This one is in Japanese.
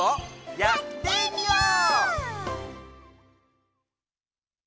やってみよう！